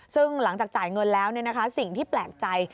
ซึ่งหลังจากจ่ายเงินแล้วสิ่งที่แปลกใจ